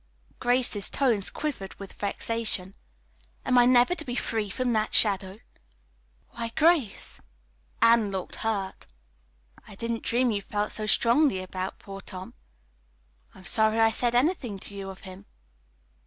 Grace's tones quivered with vexation. "Am I never to be free from that shadow?" "Why, Grace!" Anne looked hurt. "I didn't dream you felt so strongly about poor Tom. I'm sorry I said anything to you of him."